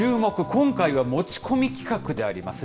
今回は持ち込み企画であります。